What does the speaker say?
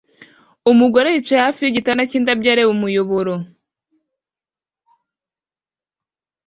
Umugore yicaye hafi yigitanda cyindabyo areba umuyoboro